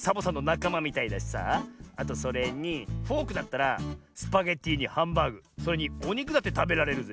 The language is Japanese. あとそれにフォークだったらスパゲッティにハンバーグそれにおにくだってたべられるぜ。